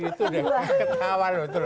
iya gitu deh ketawa loh terus